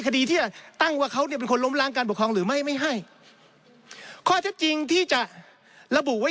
คดีที่ตั้งว่าเขาเป็นคนล้มล้างการปกครองหรือไม่ไม่ให้